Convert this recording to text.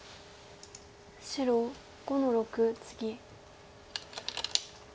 白５の六ツギ。